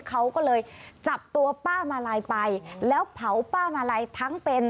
เขาก็เลยจับตัวป้ามาลัยไปแล้วเผาป้ามาลัยทั้งเป็น